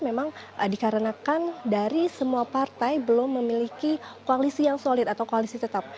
memang dikarenakan dari semua partai belum memiliki koalisi yang solid atau koalisi tetap